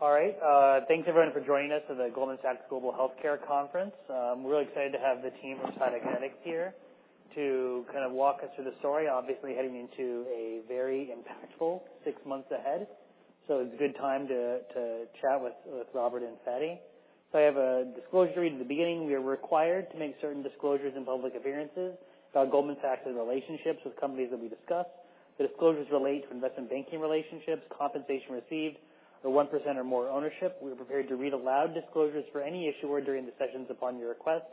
All right, thanks everyone for joining us at the Goldman Sachs Global Healthcare Conference. We're really excited to have the team from Cytokinetics here to kind of walk us through the story. Obviously, heading into a very impactful six months ahead. It's a good time to chat with Robert and Fady. I have a disclosure to read at the beginning. We are required to make certain disclosures in public appearances about Goldman Sachs' relationships with companies that we discuss. The disclosures relate to investment banking relationships, compensation received, or 1% or more ownership. We are prepared to read aloud disclosures for any issuer during the sessions upon your request.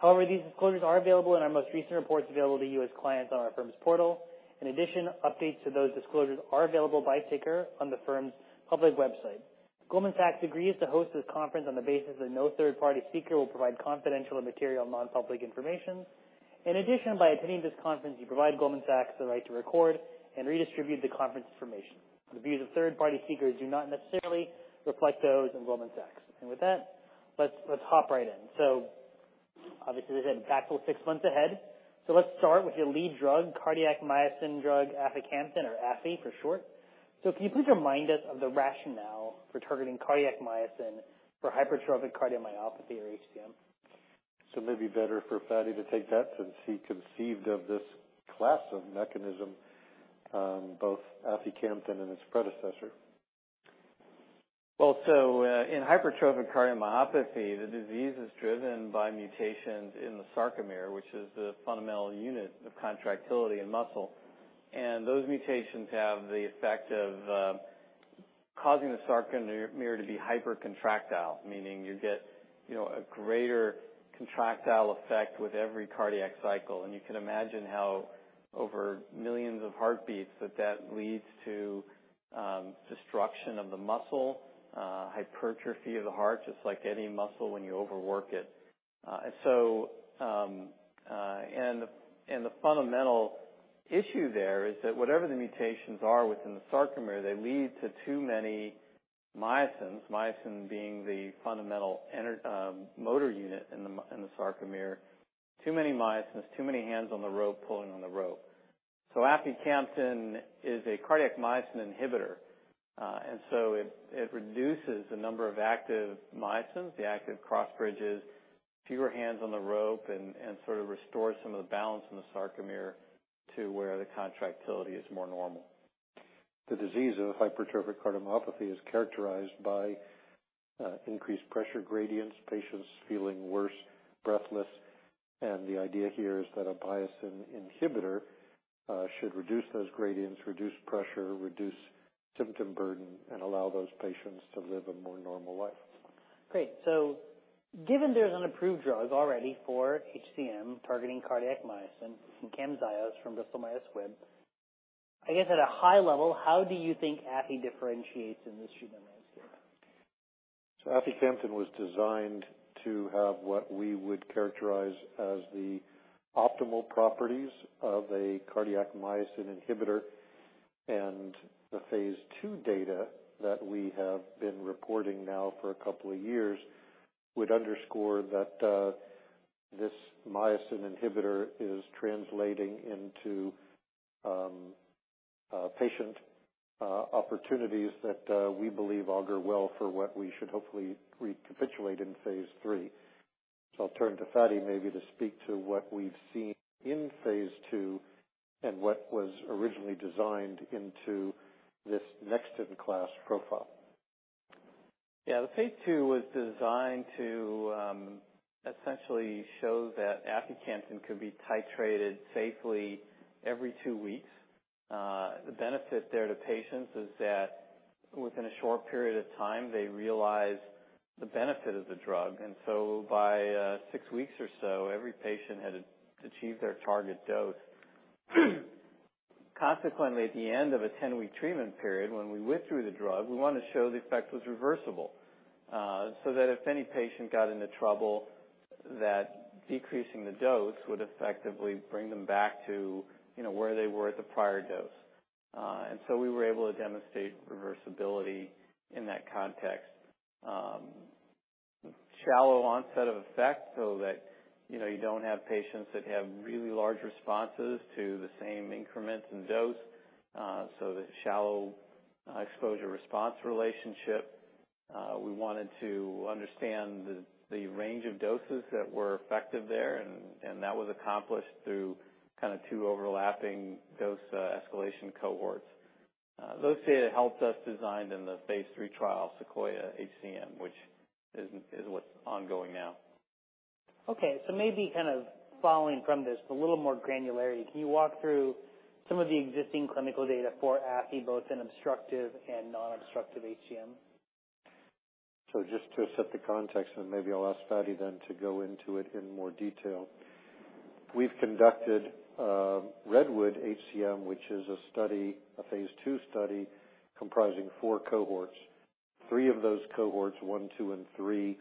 However, these disclosures are available in our most recent reports available to you as clients on our firm's portal. In addition, updates to those disclosures are available by ticker on the firm's public website. Goldman Sachs agrees to host this conference on the basis that no third-party speaker will provide confidential or material non-public information. In addition, by attending this conference, you provide Goldman Sachs the right to record and redistribute the conference information. The views of third-party speakers do not necessarily reflect those of Goldman Sachs. With that, let's hop right in. Obviously, there's an impactful six months ahead. Let's start with your lead drug, cardiac myosin drug, aficamten, or afi for short. Can you please remind us of the rationale for targeting cardiac myosin for hypertrophic cardiomyopathy, or HCM? It may be better for Fady to take that, since he conceived of this class of mechanism, both aficamten and its predecessor. Well, in hypertrophic cardiomyopathy, the disease is driven by mutations in the sarcomere, which is the fundamental unit of contractility and muscle. Those mutations have the effect of causing the sarcomere to be hypercontractile, meaning you get, you know, a greater contractile effect with every cardiac cycle. You can imagine how over millions of heartbeats, that that leads to destruction of the muscle, hypertrophy of the heart, just like any muscle when you overwork it. The fundamental issue there is that whatever the mutations are within the sarcomere, they lead to too many myosins, myosin being the fundamental motor unit in the sarcomere. Too many myosins, too many hands on the rope, pulling on the rope. Aficamten is a cardiac myosin inhibitor, and so it reduces the number of active myosins, the active cross-bridges, fewer hands on the rope and sort of restores some of the balance in the sarcomere to where the contractility is more normal. The disease of hypertrophic cardiomyopathy is characterized by increased pressure gradients, patients feeling worse, breathless. The idea here is that a myosin inhibitor should reduce those gradients, reduce pressure, reduce symptom burden, and allow those patients to live a more normal life. Great. Given there's an approved drug already for HCM targeting cardiac myosin, Camzyos from Bristol Myers Squibb, I guess at a high level, how do you think afi differentiates in this treatment landscape? Aficamten was designed to have what we would characterize as the optimal properties of a cardiac myosin inhibitor. The Phase II data that we have been reporting now for a couple of years would underscore that this myosin inhibitor is translating into patient opportunities that we believe augur well for what we should hopefully recapitulate in Phase III. I'll turn to Fady maybe to speak to what we've seen in Phase II and what was originally designed into this next-in-class profile. The Phase II was designed to essentially show that aficamten could be titrated safely every two weeks. The benefit there to patients is that within a short period of time, they realize the benefit of the drug, by six weeks or so, every patient had achieved their target dose. Consequently, at the end of a 10-week treatment period, when we withdrew the drug, we wanted to show the effect was reversible. If any patient got into trouble, that decreasing the dose would effectively bring them back to, you know, where they were at the prior dose. We were able to demonstrate reversibility in that context. Shallow onset of effect, so that, you know, you don't have patients that have really large responses to the same increments in dose. The shallow exposure response relationship. We wanted to understand the range of doses that were effective there, and that was accomplished through kind of two overlapping dose, escalation cohorts. Those data helped us design then the Phase III trial, SEQUOIA-HCM, which is what's ongoing now. Maybe kind of following from this, a little more granularity. Can you walk through some of the existing clinical data for afi, both in obstructive and non-obstructive HCM? Just to set the context, and maybe I'll ask Fady then to go into it in more detail. We've conducted REDWOOD-HCM, which is a study, a Phase II study, comprising four cohorts. Three of those cohorts, one, two, and three,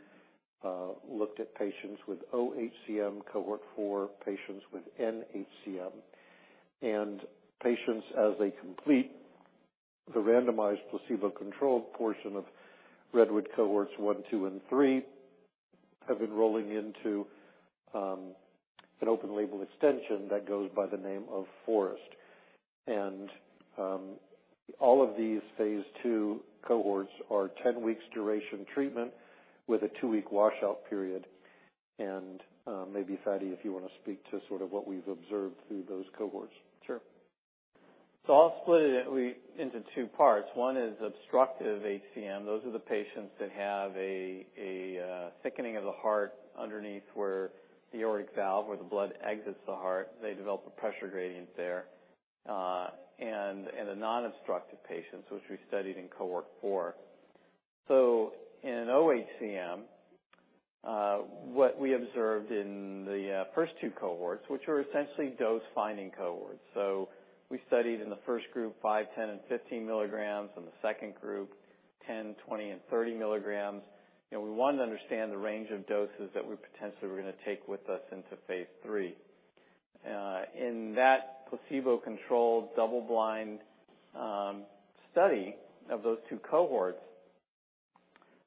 looked at patients with oHCM. Cohort 4, patients with nHCM. Patients, as they complete the randomized placebo-controlled portion of REDWOOD cohorts 1, 2, and 3 have been rolling into an open-label extension that goes by the name of FOREST-HCM. All of these Phase II cohorts are 10 weeks duration treatment, with a 2-week washout period. Maybe Fady, if you want to speak to sort of what we've observed through those cohorts. Sure. I'll split it into two parts. One is obstructive HCM. Those are the patients that have a thickening of the heart underneath, where the aortic valve, where the blood exits the heart, they develop a pressure gradient there. The non-obstructive patients, which we studied in Cohort 4. In oHCM, what we observed in the first two cohorts, which were essentially dose-finding cohorts. We studied in the first group, 5, 10 and 15 milligrams. In the second group, 10, 20, and 30 milligrams. We wanted to understand the range of doses that we potentially were gonna take with us into Phase III. In that placebo-controlled, double-blind study of those two cohorts,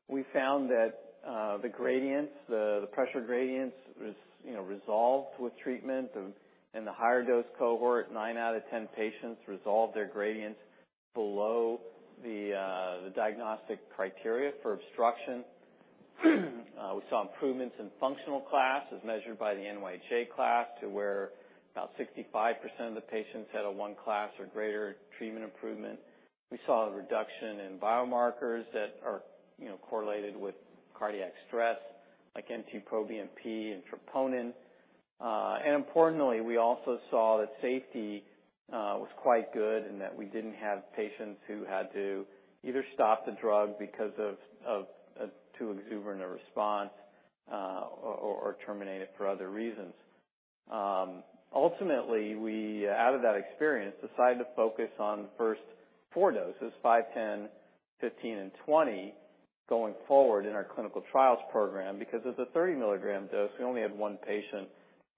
we found that the gradients, the pressure gradients was, you know, resolved with treatment. In the higher dose cohort, 9 out of 10 patients resolved their gradients below the diagnostic criteria for obstruction. We saw improvements in functional class, as measured by the NYHA class, to where about 65% of the patients had a one class or greater treatment improvement. We saw a reduction in biomarkers that are, you know, correlated with cardiac stress, like NT-proBNP and troponin. Importantly, we also saw that safety was quite good, and that we didn't have patients who had to either stop the drug because of too exuberant a response or terminate it for other reasons. Ultimately, we, out of that experience, decided to focus on the first four doses, five, 10, 15, and 20, going forward in our clinical trials program, because with the 30-milligram dose, we only had one patient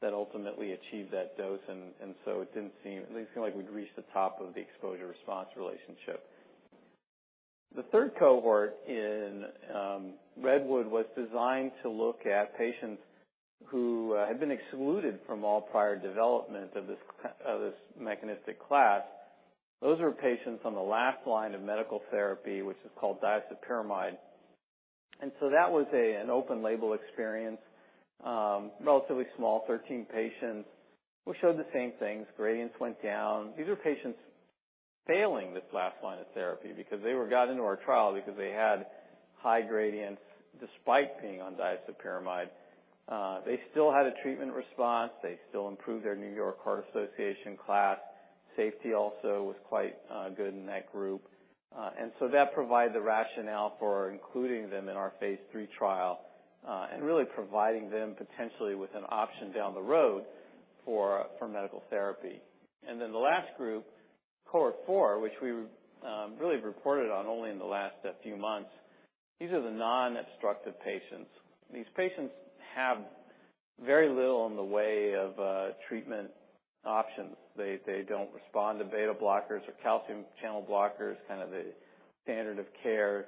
that ultimately achieved that dose, and so it didn't seem, at least, feel like we'd reached the top of the exposure-response relationship. The third cohort in Redwood was designed to look at patients who had been excluded from all prior development of this mechanistic class. Those were patients on the last line of medical therapy, which is called diazoxide. That was an open-label experience. Relatively small, 13 patients, which showed the same things. Gradients went down. These are patients failing this last line of therapy because they were got into our trial because they had high gradients despite being on diazoxide. They still had a treatment response. They still improved their New York Heart Association class. Safety also was quite good in that group. That provided the rationale for including them in our Phase III trial, and really providing them potentially with an option down the road for medical therapy. Then the last group, Cohort 4, which we really reported on only in the last few months, these are the non-obstructive patients. These patients have very little in the way of treatment options. They don't respond to beta blockers or calcium channel blockers, kind of the standard of care.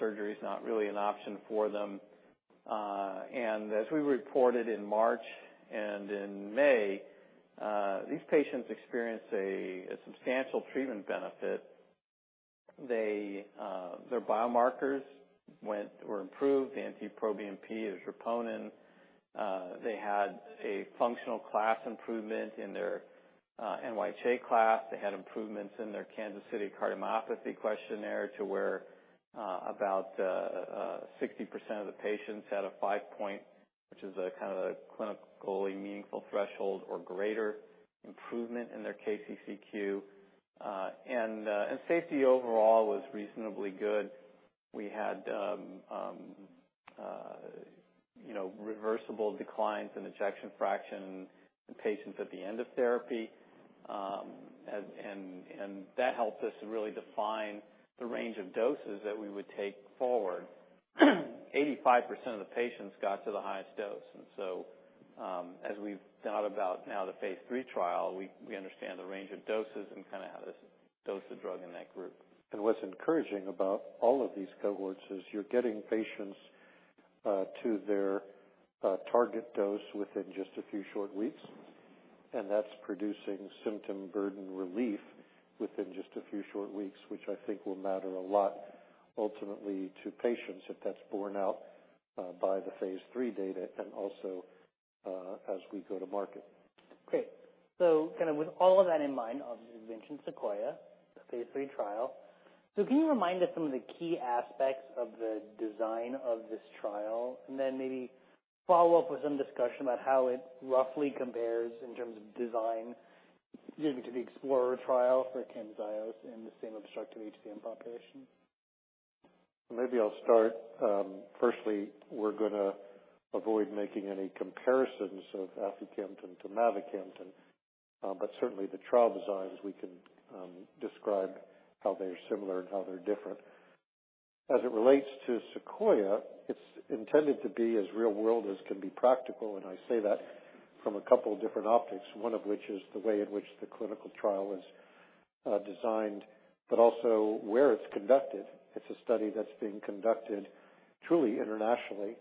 Surgery is not really an option for them. As we reported in March and in May, these patients experienced a substantial treatment benefit. Their biomarkers were improved, the NT-proBNP and troponin. They had a functional class improvement in their NYHA class. They had improvements in their Kansas City Cardiomyopathy Questionnaire, to where about 60% of the patients had a 5 point, which is a kind of a clinically meaningful threshold or greater improvement in their KCCQ. Safety overall was reasonably good. We had, you know, reversible declines in ejection fraction in patients at the end of therapy. That helped us to really define the range of doses that we would take forward. 85% of the patients got to the highest dose, as we've thought about now, the Phase III trial, we understand the range of doses and kind of how to dose the drug in that group. What's encouraging about all of these cohorts is you're getting patients to their target dose within just a few short weeks, and that's producing symptom burden relief within just a few short weeks, which I think will matter a lot ultimately to patients, if that's borne out by the Phase III data and also as we go to market. Great. Kind of with all of that in mind, obviously you mentioned SEQUOIA-HCM, the Phase III trial. Can you remind us some of the key aspects of the design of this trial, and then maybe follow up with some discussion about how it roughly compares in terms of design, maybe to the EXPLORER-HCM trial for Camzyos in the same obstructive HCM population? Maybe I'll start. Firstly, we're gonna avoid making any comparisons of aficamten to mavacamten, but certainly the trial designs, we can describe how they're similar and how they're different. As it relates to SEQUOIA-HCM, it's intended to be as real-world as can be practical, and I say that from a couple of different optics. One of which is the way in which the clinical trial is designed, but also where it's conducted. It's a study that's being conducted truly internationally,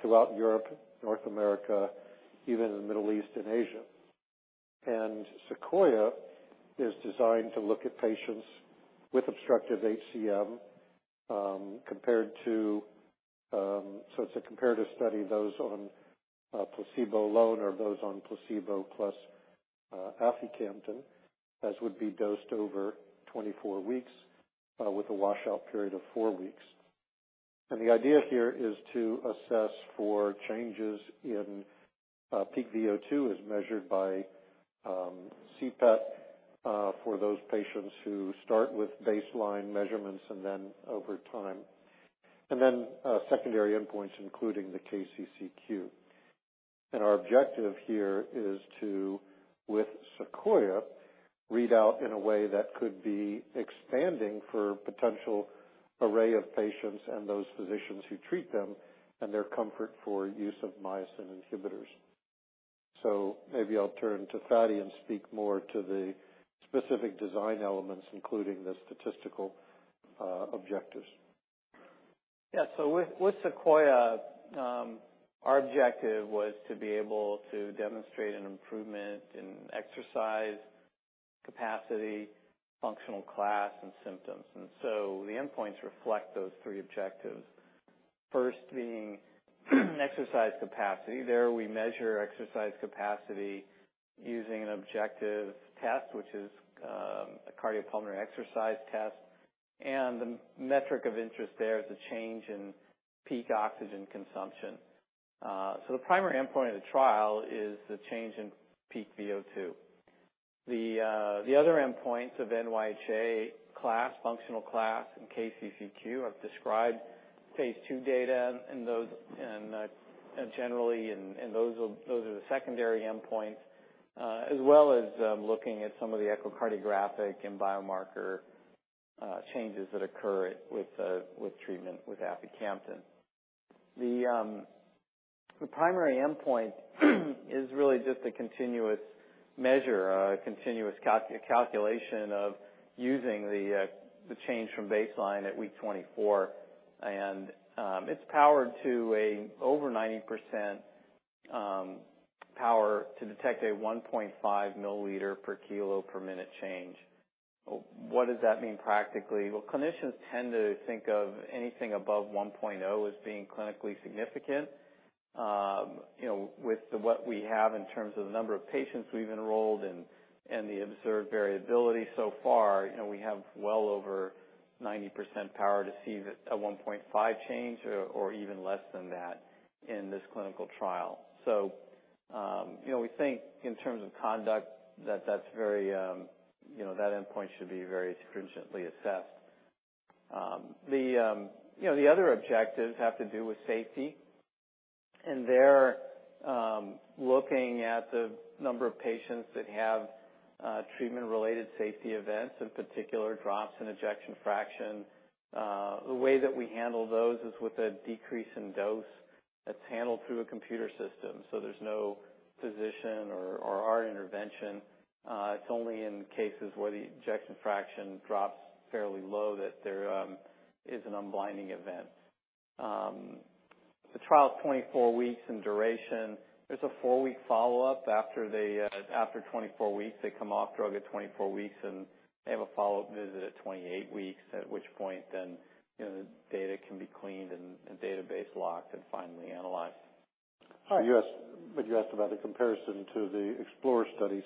throughout Europe, North America, even in the Middle East and Asia. SEQUOIA-HCM is designed to look at patients with obstructive HCM, compared to. It's a comparative study, those on placebo alone, or those on placebo plus aficamten, as would be dosed over 24 weeks, with a washout period of 4 weeks. The idea here is to assess for changes in peak VO₂, as measured by CPET, for those patients who start with baseline measurements and then over time, and then secondary endpoints, including the KCCQ. Our objective here is to, with SEQUOIA-HCM, read out in a way that could be expanding for potential array of patients and those physicians who treat them, and their comfort for use of myosin inhibitors. Maybe I'll turn to Fady and speak more to the specific design elements, including the statistical objectives. With SEQUOIA-HCM, our objective was to be able to demonstrate an improvement in exercise capacity, functional class, and symptoms. The endpoints reflect those three objectives. First, being exercise capacity. There, we measure exercise capacity using an objective test, which is a cardiopulmonary exercise test, and the metric of interest there is a change in peak oxygen consumption. The primary endpoint of the trial is the change in peak VO₂. The other endpoints of NYHA class, functional class, and KCCQ have described Phase II data in those, generally, and those are the secondary endpoints. As well as looking at some of the echocardiographic and biomarker changes that occur with treatment with aficamten. The primary endpoint is really just a continuous measure, a continuous calculation of using the change from baseline at Week 24. It's powered to over 90% power to detect a 1.5 milliliter per kilo per minute change. What does that mean practically? Well, clinicians tend to think of anything above 1.0 as being clinically significant. You know, with what we have in terms of the number of patients we've enrolled and the observed variability so far, you know, we have well over 90% power to see that a 1.5 change or even less than that in this clinical trial. We think in terms of conduct, that that's very, you know, that endpoint should be very stringently assessed. The, you know, the other objectives have to do with safety, they're looking at the number of patients that have treatment-related safety events, in particular, drops in ejection fraction. The way that we handle those is with a decrease in dose that's handled through a computer system, there's no physician or our intervention. It's only in cases where the ejection fraction drops fairly low that there is an unblinding event. The trial is 24 weeks in duration. There's a 4-week follow-up after the after 24 weeks. They come off drug at 24 weeks, they have a follow-up visit at 28 weeks, at which point then, you know, data can be cleaned and database locked and finally analyzed. All right. You asked about the comparison to the EXPLORER study.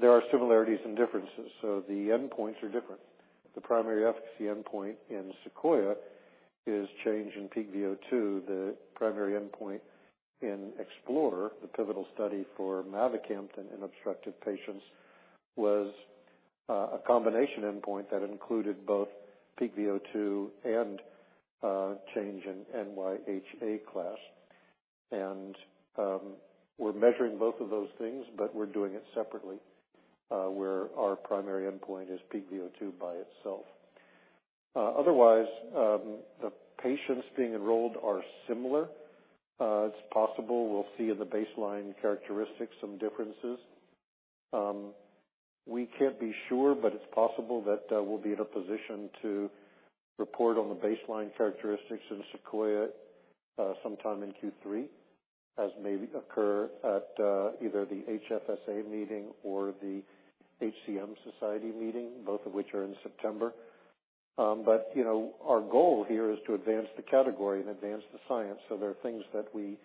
There are similarities and differences. The endpoints are different. The primary efficacy endpoint in SEQUOIA is change in peak VO₂. The primary endpoint in EXPLORER, the pivotal study for mavacamten in obstructive patients, was a combination endpoint that included both peak VO₂ and change in NYHA class. We're measuring both of those things, but we're doing it separately, where our primary endpoint is peak VO₂ by itself. Otherwise, the patients being enrolled are similar. It's possible we'll see in the baseline characteristics some differences. We can't be sure, but it's possible that we'll be in a position to report on the baseline characteristics in SEQUOIA sometime in Q3, as may occur at either the HFSA meeting or the HCM Society meeting, both of which are in September. You know, our goal here is to advance the category and advance the science, so there are things that we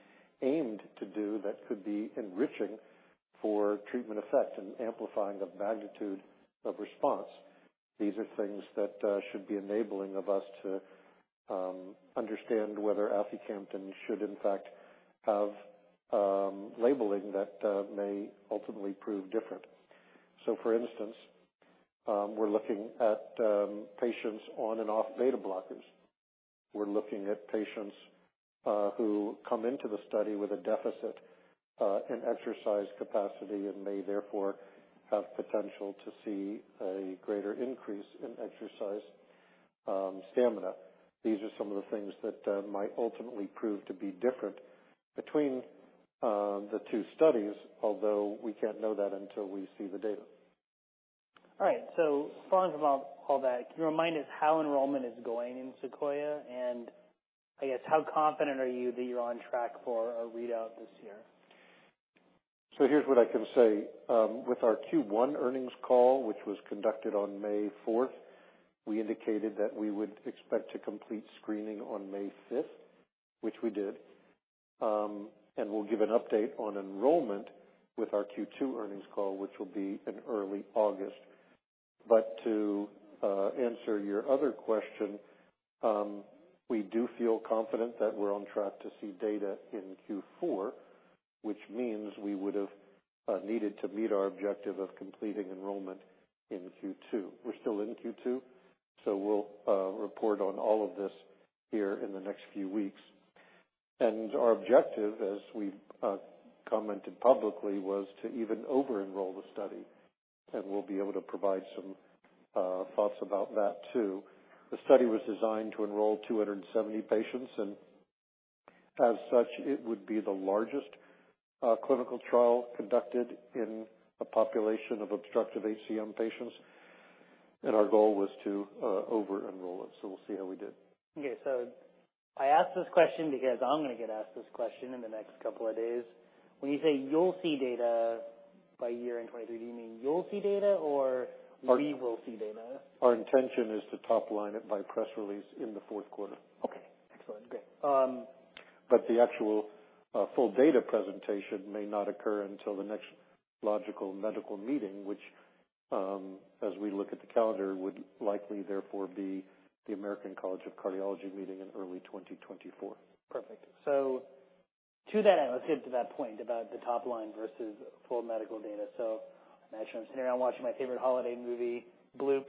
aimed to do that could be enriching for treatment effect and amplifying the magnitude of response. These are things that should be enabling of us to understand whether aficamten should in fact have labeling that may ultimately prove different. For instance, we're looking at patients on and off beta blockers. We're looking at patients who come into the study with a deficit in exercise capacity and may therefore have potential to see a greater increase in exercise stamina. These are some of the things that might ultimately prove to be different between the two studies, although we can't know that until we see the data. All right. As far as about all that, can you remind us how enrollment is going in SEQUOIA? And I guess, how confident are you that you're on track for a readout this year? Here's what I can say. With our Q1 earnings call, which was conducted on May fourth, we indicated that we would expect to complete screening on May fifth, which we did. We'll give an update on enrollment with our Q2 earnings call, which will be in early August. To answer your other question, we do feel confident that we're on track to see data in Q4, which means we would have needed to meet our objective of completing enrollment in Q2. We're still in Q2, so we'll report on all of this here in the next few weeks. Our objective, as we've commented publicly, was to even over-enroll the study, and we'll be able to provide some thoughts about that too. The study was designed to enroll 270 patients, and as such, it would be the largest, clinical trial conducted in a population of obstructive HCM patients, and our goal was to over-enroll it. We'll see how we did. I asked this question because I'm going to get asked this question in the next couple of days. When you say you'll see data by year-end 2023, do you mean you'll see data or we will see data? Our intention is to top line it by press release in the fourth quarter. Okay, excellent. Great. The actual full data presentation may not occur until the next logical medical meeting, which, as we look at the calendar, would likely therefore be the American College of Cardiology meeting in early 2024. Perfect. To that end, let's get to that point about the top-line versus full medical data. Imagine I'm sitting around watching my favorite holiday movie, bloop,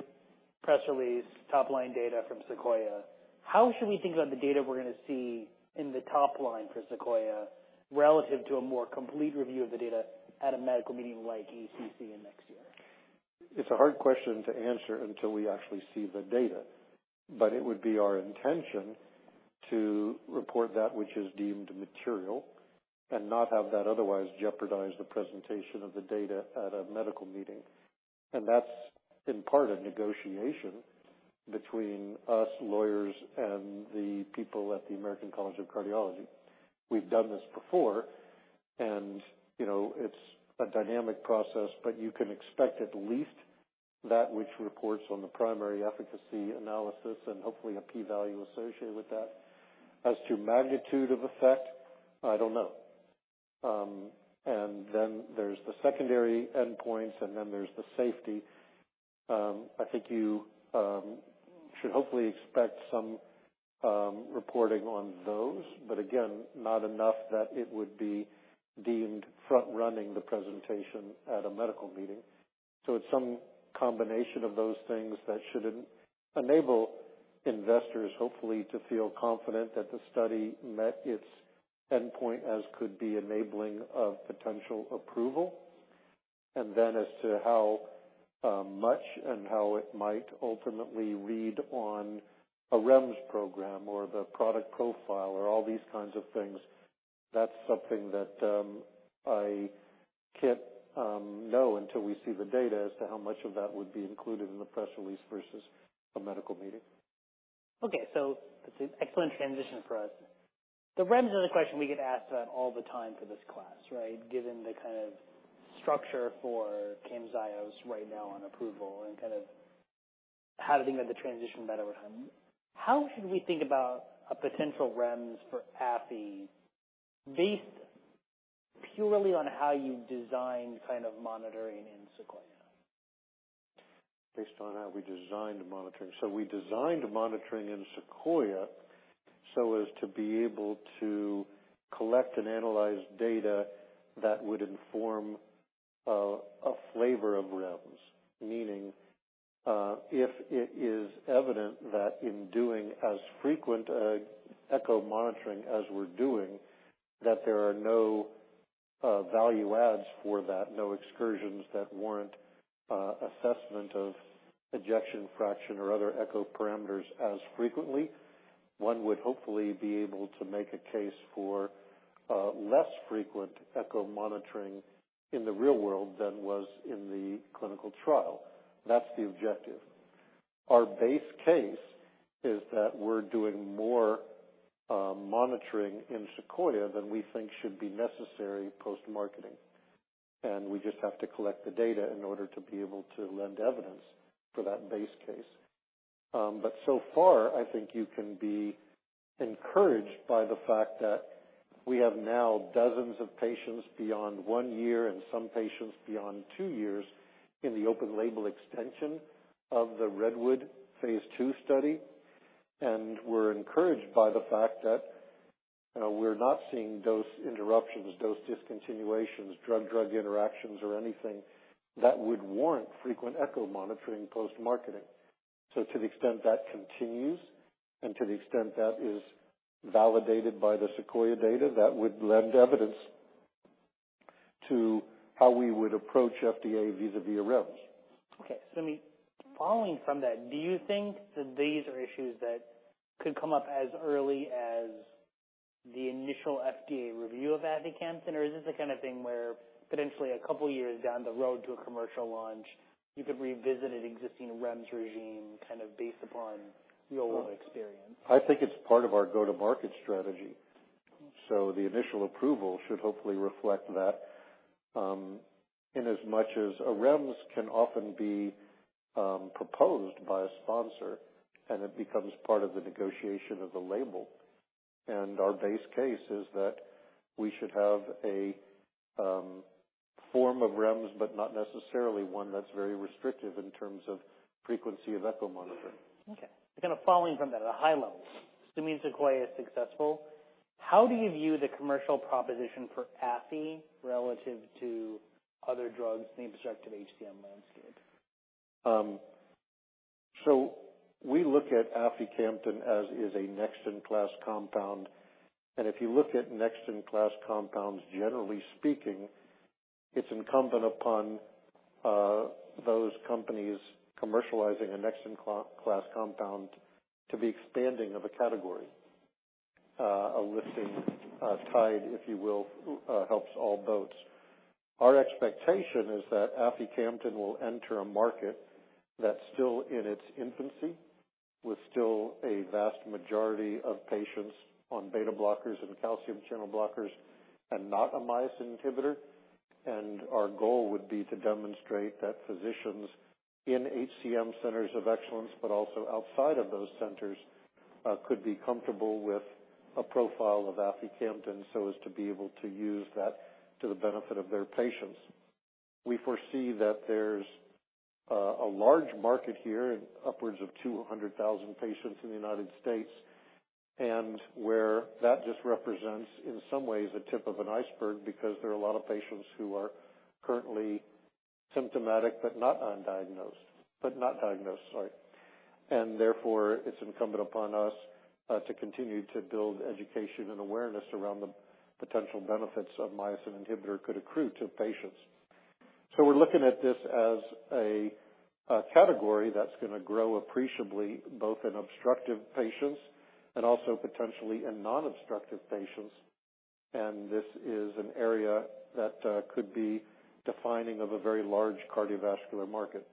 press release, top-line data from SEQUOIA. How should we think about the data we're going to see in the top-line for SEQUOIA, relative to a more complete review of the data at a medical meeting like ACC in next year? It's a hard question to answer until we actually see the data, but it would be our intention to report that which is deemed material and not have that otherwise jeopardize the presentation of the data at a medical meeting. That's in part a negotiation between us lawyers and the people at the American College of Cardiology. We've done this before, and, you know, it's a dynamic process, but you can expect at least that which reports on the primary efficacy analysis and hopefully a p-value associated with that. As to magnitude of effect, I don't know. Then there's the secondary endpoints, and then there's the safety. I think you should hopefully expect some reporting on those, but again, not enough that it would be deemed front-running the presentation at a medical meeting. It's some combination of those things that should enable investors, hopefully, to feel confident that the study met its endpoint, as could be enabling of potential approval. As to how much and how it might ultimately read on a REMS program or the product profile or all these kinds of things, that's something that I can't know until we see the data as to how much of that would be included in the press release versus a medical meeting. That's an excellent transition for us. The REMS is a question we get asked about all the time for this class, right? Given the kind of structure for Camzyos right now on approval and kind of how to think about the transition better over time, how should we think about a potential REMS for afi, based purely on how you design kind of monitoring in SEQUOIA? Based on how we designed monitoring. We designed monitoring in SEQUOIA so as to be able to collect and analyze data that would inform a flavor of REMS. Meaning, if it is evident that in doing as frequent echo monitoring as we're doing, that there are no value adds for that, no excursions that warrant assessment of ejection fraction or other echo parameters as frequently. One would hopefully be able to make a case for less frequent echo monitoring in the real world than was in the clinical trial. That's the objective. Our base case is that we're doing more monitoring in SEQUOIA than we think should be necessary post-marketing, and we just have to collect the data in order to be able to lend evidence for that base case. So far, I think you can be encouraged by the fact that we have now dozens of patients beyond 1 year and some patients beyond 2 years in the open label extension of the REDWOOD-HCM Phase II study. We're encouraged by the fact that, you know, we're not seeing dose interruptions, dose discontinuations, drug-drug interactions, or anything that would warrant frequent echo monitoring post-marketing. To the extent that continues, and to the extent that is validated by the SEQUOIA-HCM data, that would lend evidence-... to how we would approach FDA vis-a-vis REMS. Okay. I mean, following from that, do you think that these are issues that could come up as early as the initial FDA review of aficamten, or is this the kind of thing where potentially 2 years down the road to a commercial launch, you could revisit an existing REMS regime, kind of based upon real-world experience? I think it's part of our go-to-market strategy. The initial approval should hopefully reflect that, in as much as a REMS can often be proposed by a sponsor, and it becomes part of the negotiation of the label. Our base case is that we should have a form of REMS, but not necessarily one that's very restrictive in terms of frequency of echo monitoring. Okay. Kind of following from that, at a high level, assuming SEQUOIA is successful, how do you view the commercial proposition for afi relative to other drugs in the obstructive HCM landscape? We look at aficamten as a next-in-class compound. If you look at next-in-class compounds, generally speaking, it's incumbent upon those companies commercializing a next-in-class compound to be expanding of a category. A lifting tide, if you will, helps all boats. Our expectation is that aficamten will enter a market that's still in its infancy, with still a vast majority of patients on beta blockers and calcium channel blockers and not a myosin inhibitor. Our goal would be to demonstrate that physicians in HCM centers of excellence, but also outside of those centers, could be comfortable with a profile of aficamten, so as to be able to use that to the benefit of their patients. We foresee that there's a large market here, upwards of 200,000 patients in the United States, and where that just represents, in some ways, the tip of an iceberg, because there are a lot of patients who are currently symptomatic but not diagnosed, sorry. Therefore, it's incumbent upon us to continue to build education and awareness around the potential benefits a myosin inhibitor could accrue to patients. We're looking at this as a category that's going to grow appreciably, both in obstructive patients and also potentially in non-obstructive patients. This is an area that could be defining of a very large cardiovascular market.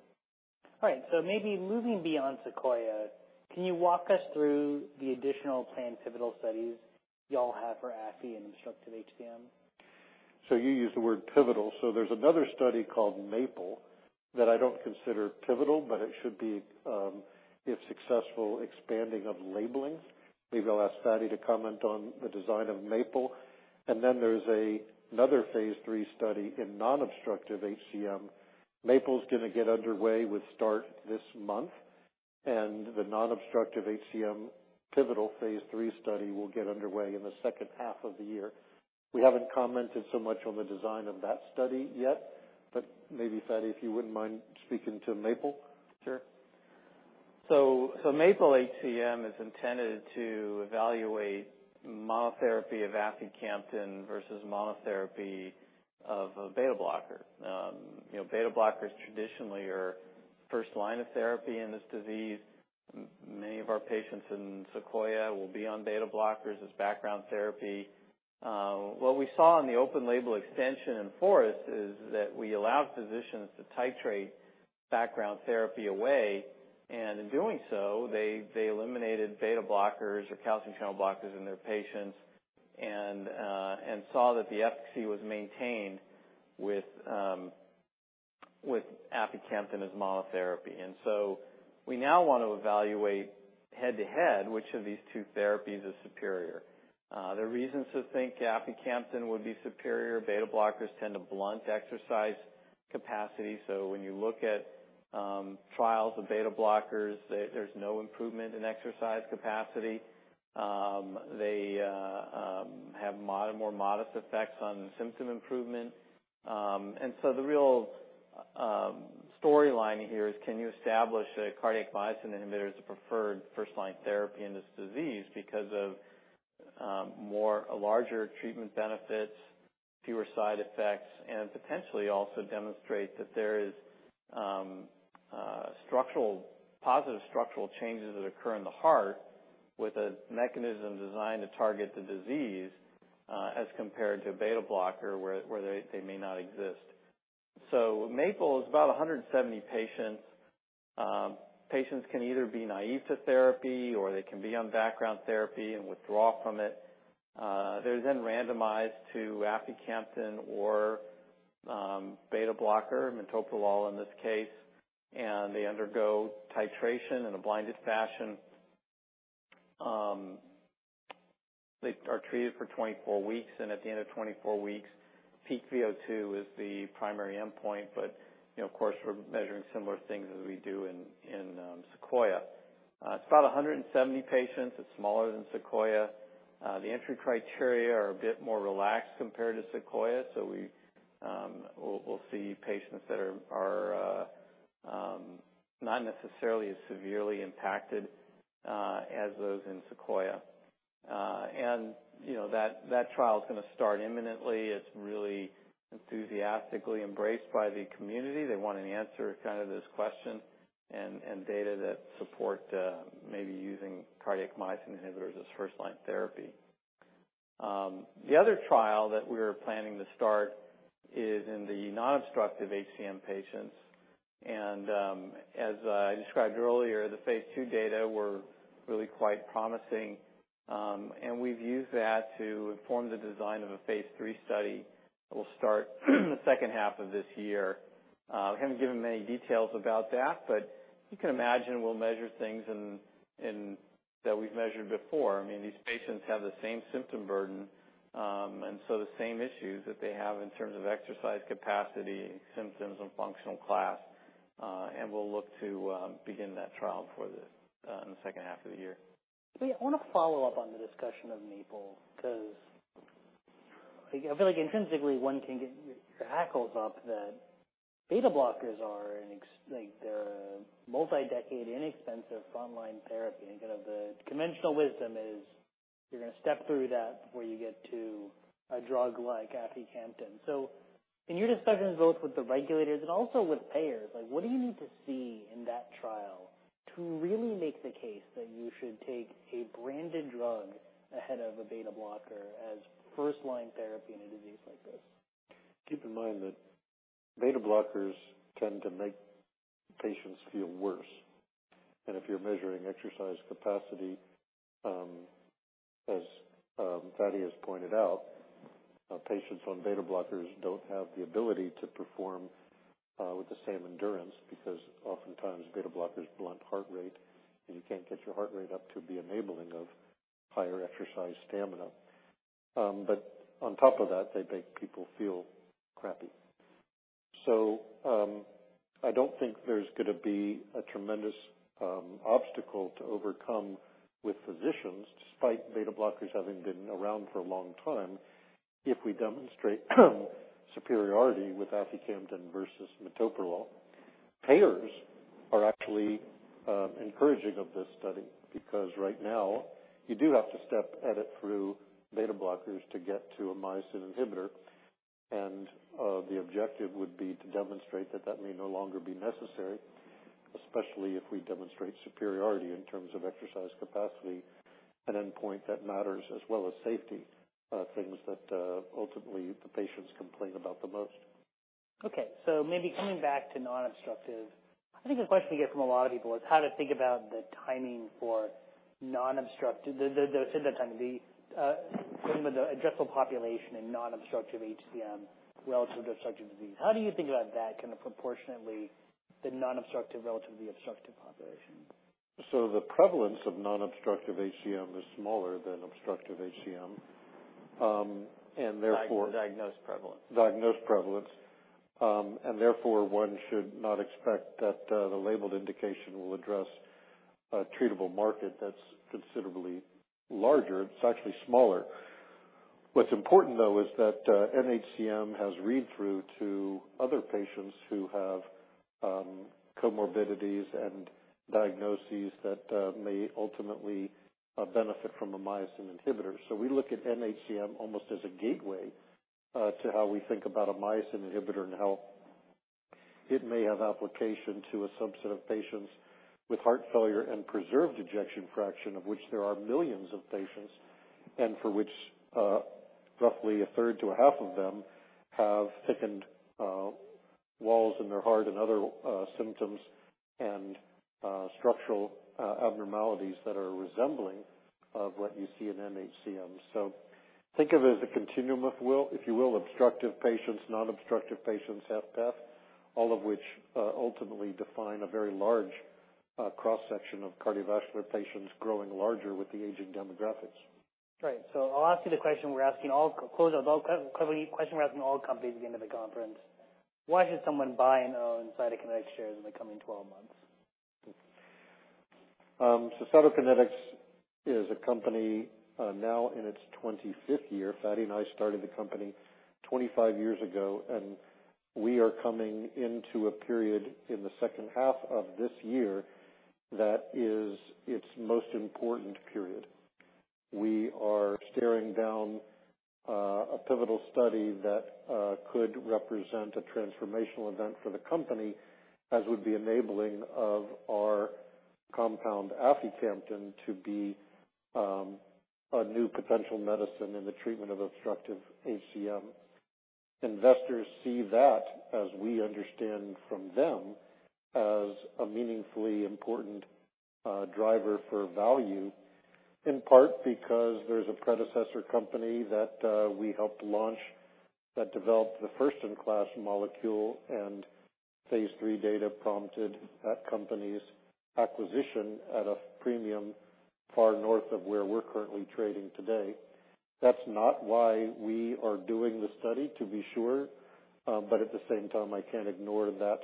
All right. Maybe moving beyond SEQUOIA, can you walk us through the additional planned pivotal studies you all have for afi in obstructive HCM? You use the word pivotal. There's another study called MAPLE-HCM that I don't consider pivotal, but it should be, if successful, expanding of labeling. Maybe I'll ask Fady to comment on the design of MAPLE-HCM. There's another Phase III study in non-obstructive HCM. MAPLE-HCM's gonna get underway with start this month, and the non-obstructive HCM pivotal Phase III study will get underway in the second half of the year. We haven't commented so much on the design of that study yet, but maybe, Fady, if you wouldn't mind speaking to MAPLE-HCM? Sure. MAPLE-HCM HCM is intended to evaluate monotherapy of aficamten versus monotherapy of a beta blocker. you know, beta blockers traditionally are first line of therapy in this disease. Many of our patients in SEQUOIA-HCM will be on beta blockers as background therapy. What we saw in the open label extension in FOREST-HCM is that we allowed physicians to titrate background therapy away, and in doing so, they eliminated beta blockers or calcium channel blockers in their patients and saw that the efficacy was maintained with aficamten as monotherapy. We now want to evaluate head-to-head, which of these two therapies is superior. The reasons to think aficamten would be superior, beta blockers tend to blunt exercise capacity. When you look at trials of beta blockers, there's no improvement in exercise capacity. They have more modest effects on symptom improvement. The real storyline here is, can you establish a cardiac myosin inhibitor as a preferred first-line therapy in this disease because of more, a larger treatment benefits, fewer side effects, and potentially also demonstrate that there is structural, positive structural changes that occur in the heart with a mechanism designed to target the disease as compared to a beta blocker, where they may not exist. MAPLE-HCM is about 170 patients. Patients can either be naive to therapy or they can be on background therapy and withdraw from it. They're then randomized to aficamten or beta blocker, metoprolol in this case, and they undergo titration in a blinded fashion. They are treated for 24 weeks. At the end of 24 weeks, peak VO₂ is the primary endpoint, you know, of course, we're measuring similar things as we do in SEQUOIA. It's about 170 patients. It's smaller than SEQUOIA. The entry criteria are a bit more relaxed compared to SEQUOIA. We'll see patients that are not necessarily as severely impacted as those in SEQUOIA. You know, that trial is gonna start imminently. It's really enthusiastically embraced by the community. They want an answer to kind of this question and data that support maybe using cardiac myosin inhibitors as first line therapy. The other trial that we are planning to start is in the non-obstructive HCM patients. As I described earlier, the Phase II data were really quite promising. We've used that to inform the design of a Phase III study that will start the second half of this year. We haven't given many details about that, but you can imagine we'll measure things in that we've measured before. I mean, these patients have the same symptom burden, and so the same issues that they have in terms of exercise capacity, symptoms, and functional class, and we'll look to begin that trial for the in the second half of the year. I wanna follow up on the discussion of MAPLE-HCM, 'cause I feel like intrinsically, one can get their hackles up that beta blockers are like, they're a multi-decade, inexpensive frontline therapy. Kind of the conventional wisdom is you're gonna step through that before you get to a drug like aficamten. In your discussions, both with the regulators and also with payers, like, what do you need to see in that trial to really make the case that you should take a branded drug ahead of a beta blocker as first line therapy in a disease like this? Keep in mind that beta blockers tend to make patients feel worse. If you're measuring exercise capacity, as Fady has pointed out, patients on beta blockers don't have the ability to perform with the same endurance, because oftentimes beta blockers blunt heart rate, and you can't get your heart rate up to be enabling of higher exercise stamina. On top of that, they make people feel crappy. I don't think there's gonna be a tremendous obstacle to overcome with physicians, despite beta blockers having been around for a long time, if we demonstrate superiority with aficamten versus metoprolol. Payers are actually encouraging of this study, because right now, you do have to step at it through beta blockers to get to a myosin inhibitor. The objective would be to demonstrate that that may no longer be necessary, especially if we demonstrate superiority in terms of exercise capacity, an endpoint that matters as well as safety, things that, ultimately the patients complain about the most. Maybe coming back to non-obstructive. I think the question you get from a lot of people is how to think about the timing for non-obstructive, the timing, the addressable population in non-obstructive HCM relative to obstructive disease. How do you think about that kind of proportionately, the non-obstructive relative to the obstructive population? The prevalence of non-obstructive HCM is smaller than obstructive HCM. Diagnosed prevalence. Diagnosed prevalence. Therefore, one should not expect that the labeled indication will address a treatable market that's considerably larger. It's actually smaller. What's important, though, is that nHCM has read through to other patients who have comorbidities and diagnoses that may ultimately benefit from a myosin inhibitor. We look at nHCM almost as a gateway to how we think about a myosin inhibitor and how it may have application to a subset of patients with heart failure with preserved ejection fraction, of which there are millions of patients, and for which roughly a third to a half of them have thickened walls in their heart and other symptoms and structural abnormalities that are resembling of what you see in nHCM. Think of it as a continuum, if you will, obstructive patients, non-obstructive patients, HFpEF, all of which ultimately define a very large cross-section of cardiovascular patients growing larger with the aging demographics. Right. I'll ask you the question we're asking all companies at the end of the conference: Why should someone buy and own Cytokinetics shares in the coming 12 months? Cytokinetics is a company, now in its 25th year. Fady and I started the company 25 years ago, and we are coming into a period in the second half of this year that is its most important period. We are staring down a pivotal study that could represent a transformational event for the company, as would be enabling of our compound aficamten to be a new potential medicine in the treatment of obstructive HCM. Investors see that, as we understand from them, as a meaningfully important driver for value, in part because there's a predecessor company that we helped launch that developed the first-in-class molecule, and Phase III data prompted that company's acquisition at a premium far north of where we're currently trading today. That's not why we are doing the study, to be sure, but at the same time, I can't ignore that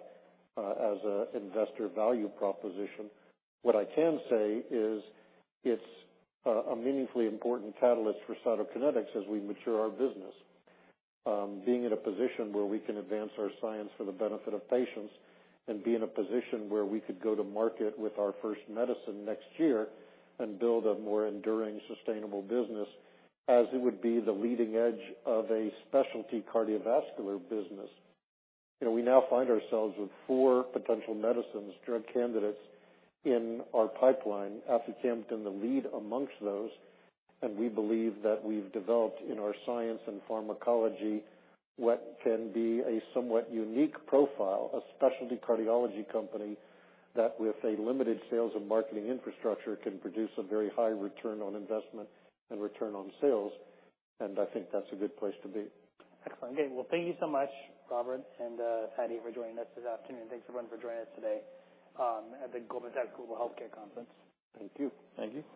as a investor value proposition. What I can say is it's a meaningfully important catalyst for Cytokinetics as we mature our business. Being in a position where we can advance our science for the benefit of patients and be in a position where we could go to market with our first medicine next year and build a more enduring, sustainable business, as it would be the leading edge of a specialty cardiovascular business. You know, we now find ourselves with four potential medicines, drug candidates in our pipeline, aficamten the lead amongst those, and we believe that we've developed in our science and pharmacology what can be a somewhat unique profile, a specialty cardiology company, that with a limited sales and marketing infrastructure, can produce a very high return on investment and return on sales. I think that's a good place to be. Excellent. Well, thank you so much, Robert and Fady, for joining us this afternoon. Thanks, everyone, for joining us today at the Goldman Sachs Global Healthcare Conference. Thank you. Thank you.